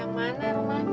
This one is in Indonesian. yang mana rumahnya